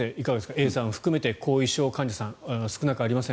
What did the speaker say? Ａさん含めて後遺症患者さん少なくありません。